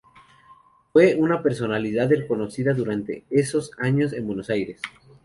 Fue una personalidad reconocida durante esos años en Buenos Aires.